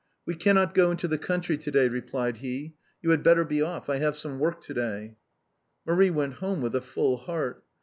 " We cannot go into the country to day," replied he f " you had better be off. I have some work to day." Marie went home with a full heart.